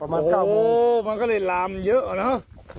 ๘๙โมงโอ้มันก็เลยลามเยอะนะฮะ